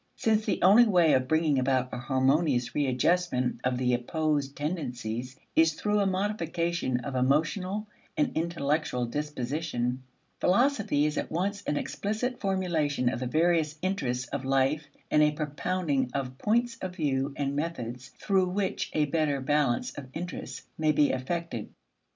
Since the only way of bringing about a harmonious readjustment of the opposed tendencies is through a modification of emotional and intellectual disposition, philosophy is at once an explicit formulation of the various interests of life and a propounding of points of view and methods through which a better balance of interests may be effected.